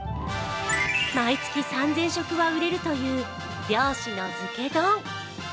毎月３０００食は売れるという漁師の漬け丼。